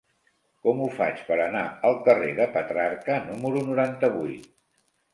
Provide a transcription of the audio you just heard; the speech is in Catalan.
Com ho faig per anar al carrer de Petrarca número noranta-vuit?